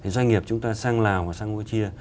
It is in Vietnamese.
doanh nghiệp chúng ta sang lào và sang campuchia